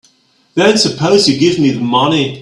Then suppose you give me the money.